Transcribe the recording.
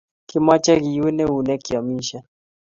Kimache kiwun onenek keamishen